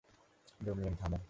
Damien, থামো!